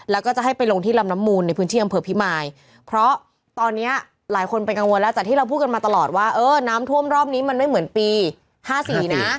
แล้วก็จะให้ไปลงที่ลำน้ำมูลในพื้นที่อำเภอพิมายเพราะตอนนี้หลายคนเป็นกังวลแล้วจากที่เราพูดกันมาตลอดว่าเออน้ำท่วมรอบนี้มันไม่เหมือนปี๕๔นะ